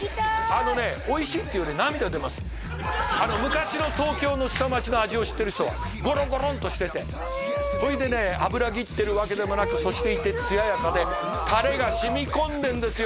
あのねおいしいっていうより涙出ます昔の東京の下町の味を知ってる人はゴロゴロンとしててへえほいでね脂ぎってるわけでもなくそしていてつややかでタレが染み込んでるんですよ